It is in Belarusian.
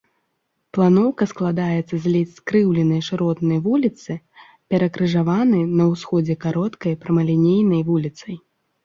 Планоўка складаецца з ледзь скрыўленай шыротнай вуліцы, перакрыжаванай на ўсходзе кароткай прамалінейнай вуліцай.